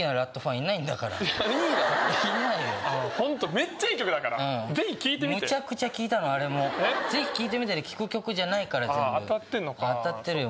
めっちゃいい曲だからぜひ聴いてみてむちゃくちゃ聴いたのあれもぜひ聴いてみてで聴く曲じゃないから全然当たってんのか当たってるよ